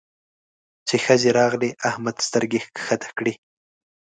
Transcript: چې ښځې راغلې؛ احمد سترګې کښته کړې.